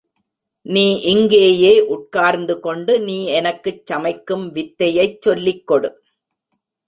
நீ இங்கேயே உட்கார்ந்து கொண்டு நீ எனக்குச் சமைக்கும் வித்தையைச் சொல்லிக் கொடு.